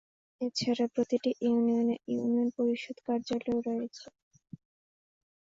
এছাড়া প্রতিটি ইউনিয়নে ইউনিয়ন পরিষদ কার্য্যালয় রয়েছে।